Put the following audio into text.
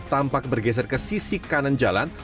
tampak bergeser ke sisi kanan jalan